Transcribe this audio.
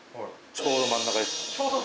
ちょうど真ん中？